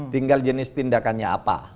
tinggal jenis tindakannya apa